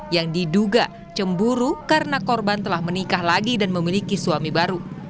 yang diduga cemburu karena korban telah menikah lagi dan memiliki suami baru